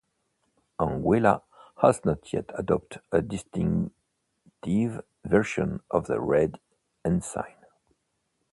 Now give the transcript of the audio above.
Anguilla has not yet adopted a distinctive version of the Red Ensign.